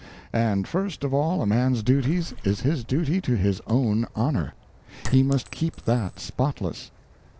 And first of all a man's duties is his duty to his own honor—he must keep that spotless.